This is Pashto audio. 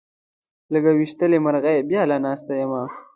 لکه ويشتلې مرغۍ بېله ناسته یمه